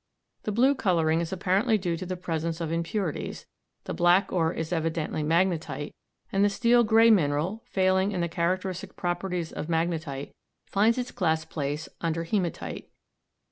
The blue coloring is apparently due to the presence of impurities; the black ore is evidently magnetite; and the steel gray mineral, failing in the characteristic properties of magnetite, finds its class place under hematite.